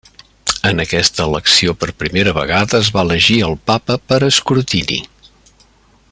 En aquesta elecció per primera vegada es va elegir el papa per escrutini.